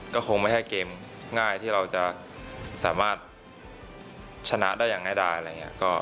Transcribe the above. ก็คงไม่แค่เกมง่ายที่เราจะสามารถชนะได้อย่างไรได้